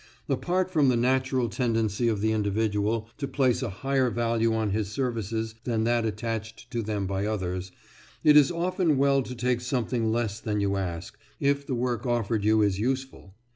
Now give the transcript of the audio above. Apart from the natural tendency of the individual to place a higher value on his services than that attached to them by others, it is often well to take something less than you ask, if the work offered you is useful.